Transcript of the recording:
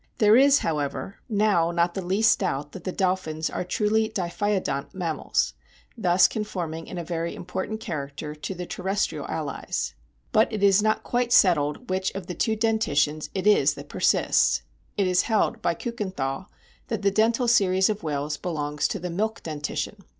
There is, however, * See LYDEKKER and THOMAS, Proc. Zool. Soc., 1897, p. 595. 76 A BOOK Of WHALES now not the least doubt that the Dolphins are truly diphyodont mammals, thus conforming' in a very important character to their terrestrial allies. But it is not quite settled which of the two dentitions it is that persists. It is held by Kiikenthal that the dental series of whales belongs to the milk dentition.